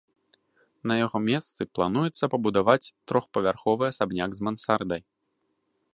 На яго месцы плануецца пабудаваць трохпавярховы асабняк з мансардай.